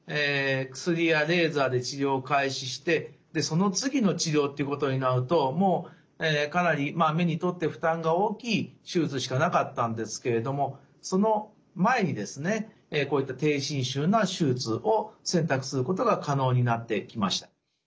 薬やレーザーで治療を開始してその次の治療っていうことになるともうかなり目にとって負担が大きい手術しかなかったんですけれどもその前にこういった低侵襲な手術を選択することが可能になってきました。